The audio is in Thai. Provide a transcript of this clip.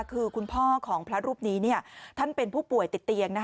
คือคุณพ่อของพระรูปนี้ท่านเป็นผู้ป่วยติดเตียง